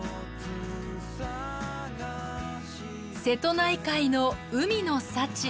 瀬戸内海の海の幸。